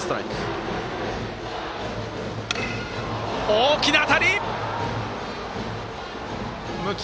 大きな当たり！